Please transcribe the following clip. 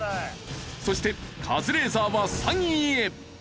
そしてカズレーザーは３位へ。